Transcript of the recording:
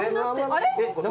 あれ？